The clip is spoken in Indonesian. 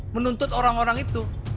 menuntut orang orang itu